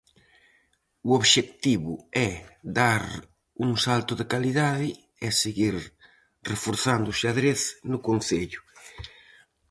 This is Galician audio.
O obxectivo é dar "un salto de calidade" e seguir reforzando o xadrez no concello.